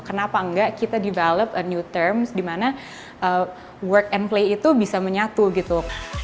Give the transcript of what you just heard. kenapa enggak kita develop a new terms dimana work and play itu bisa menyatu gitu